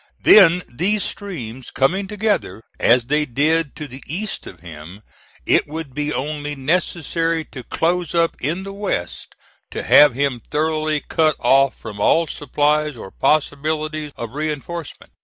Then these streams coming together as they did to the east of him, it would be only necessary to close up in the west to have him thoroughly cut off from all supplies or possibility of reinforcement.